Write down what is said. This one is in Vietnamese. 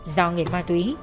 do nghiện ma túy